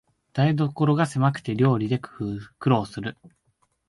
台所がせまくて料理で苦労する